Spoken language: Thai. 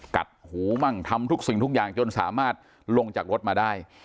กัดหูมั่งทำทุกสิ่งทุกอย่างจนสามารถลงจากรถมาได้